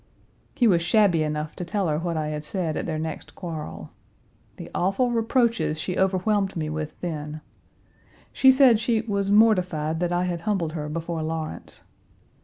He was shabby enough to tell her what I had said at their next quarrel. The awful reproaches she overwhelmed me with then! She said she "was mortified that I had humbled her before Lawrence."